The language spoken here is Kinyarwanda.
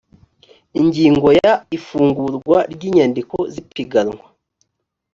ingingo ya ifungurwa ry inyandiko z ipiganwa